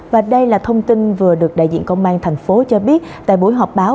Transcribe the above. và đây là thông tin vừa được đại diện công an tp hcm cho biết tại buổi họp báo